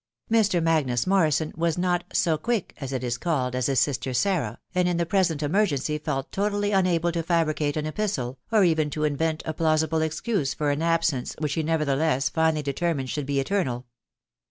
Mr. Magnus Morrison was not " so quick," as it is called, as his sister Sarah, and in the present emergency felt totally unable to fabricate an epistle, or even to invent a plausible excuse for an absence, which he nevertheless finally deter mined should be eternal.